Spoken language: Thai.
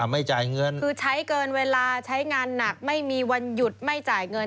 ไม่จ่ายเงินคือใช้เกินเวลาใช้งานหนักไม่มีวันหยุดไม่จ่ายเงิน